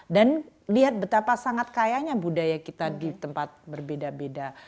dan lihat betapa sangat kayanya budaya kita di tempat berbeda beda